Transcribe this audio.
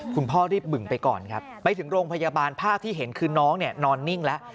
คุณพ่อรีบบึ่งไปก่อนครับไปถึงโรงพยาบาลภาพที่เห็นคือน้องเนี่ยนอนนิ่งแล้ว